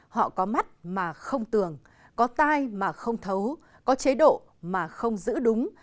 họ có mắt mà không tường có tai mà không thấu có chế độ mà không giữ đúng